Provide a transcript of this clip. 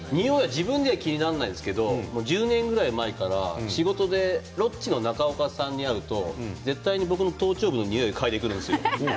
自分では気にならないですけど１０年ぐらい前から仕事でロッチの中岡さんに会うと絶対に僕の頭頂部のにおいを嗅いでくるんですよ。